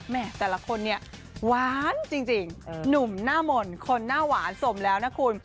แต่ละคนเนี่ยหวานจริงหนุ่มหน้ามนต์คนหน้าหวานสมแล้วนะคุณ